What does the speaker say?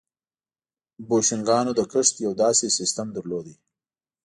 بوشنګانو د کښت یو داسې سیستم درلود.